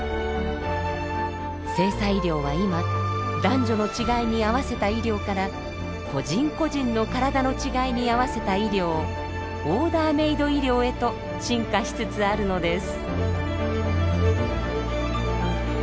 性差医療は今男女の違いに合わせた医療から個人個人の体の違いに合わせた医療オーダーメイド医療へと進化しつつあるのです。